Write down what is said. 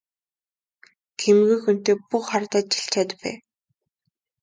Гэмгүй хүнтэй бүү хардаж чалчаад бай!